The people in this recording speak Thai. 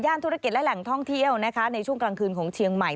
ธุรกิจและแหล่งท่องเที่ยวนะคะในช่วงกลางคืนของเชียงใหม่